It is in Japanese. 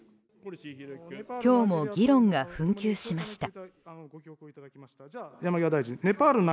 今日も議論が紛糾しました。